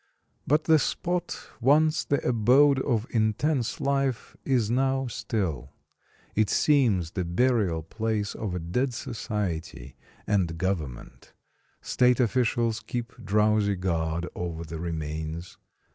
But the spot, once the abode of intense life, is now still; it seems the burial place of a dead society and government; state officials keep drowsy guard over the remains.